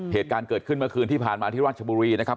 เหตุการณ์เกิดขึ้นเมื่อคืนที่ผ่านมาที่ราชบุรีนะครับ